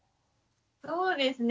そうですね。